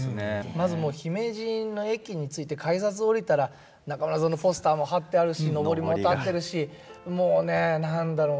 まずもう姫路の駅に着いて改札降りたら中村座のポスターも貼ってあるしのぼりも立ってるしもうね何だろう